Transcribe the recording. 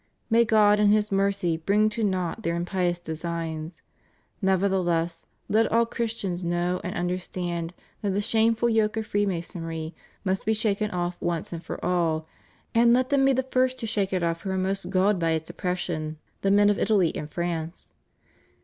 May God in His mercy bring to naught their impious designs; nevertheless, let all Christians know and understand that the shameful yoke of Freemasonry must be shaken off once and for all; and let them be the first to shake it off who are most galled by its oppres sion— the men of Italy and of France.